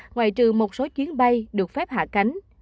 ngoại trừ một số chuyến bay được phép hạ cánh